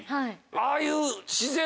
ああいう。